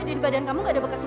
di badan kamu gak ada bekas